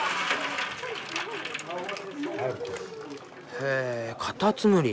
へぇカタツムリ。